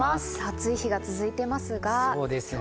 暑い日が続いてますが。